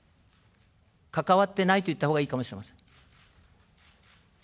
関わってないといったほうがいいかもしれません。